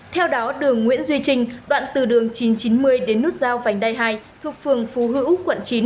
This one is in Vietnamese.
theo đó đường nguyễn duy trinh đoạn từ đường chín trăm chín mươi đến nút giao vành đai hai thuộc phường phú hữu quận chín